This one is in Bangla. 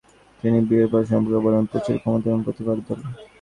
তিনি বীরবল সম্পর্কে বলেন, "প্রচুর ক্ষমতা এবং প্রতিভাধর"।